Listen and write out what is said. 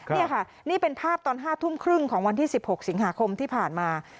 นี่ค่ะนี่เป็นภาพตอน๕ทุ่มครึ่งของวันที่๑๖สิงหาคมที่ผ่านมา